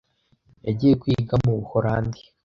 Yagiye kwiga mu buholandi